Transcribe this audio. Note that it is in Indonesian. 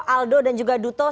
aldo dan juga duto